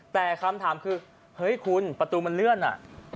แต่คำถามคือเฮ้ยคุณประตูมันเลื่อนอ่ะ